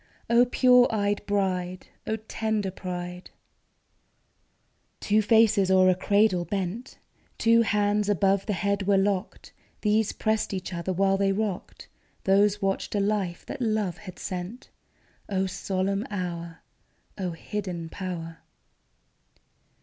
O pure eyed bride! O tender pride ! Two faces o'er a cradle bent: Two hands above the head were locked ; These pressed each other while they rocked, Those watched a life that love had sent. O solemn hour! O hidden power